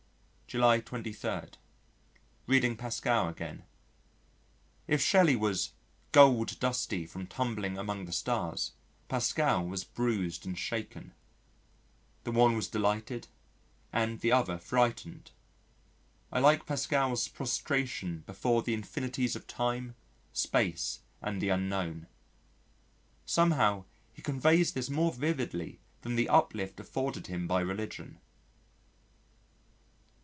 July 23. Reading Pascal again. If Shelley was "gold dusty from tumbling among the stars," Pascal was bruised and shaken. The one was delighted, and the other frightened. I like Pascal's prostration before the infinities of Time, Space and the Unknown. Somehow, he conveys this more vividly than the uplift afforded him by religion.